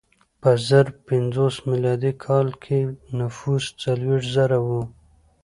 په زر پنځوس میلادي کال کې نفوس څلوېښت زره و.